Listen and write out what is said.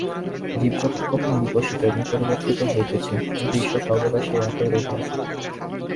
জীব-জগৎ কখনও বিকশিত এবং পরিবর্তিত হইতেছে, কিন্তু ঈশ্বর সর্বদাই সেই একই রহিয়াছেন।